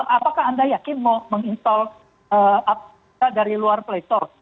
apakah anda yakin mau menginstall dari luar playstore